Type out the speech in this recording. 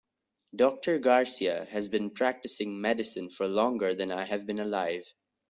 Doctor Garcia has been practicing medicine for longer than I have been alive.